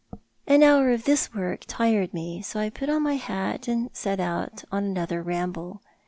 An hour of this work tired me, so I put on my hat and set out on another ramble.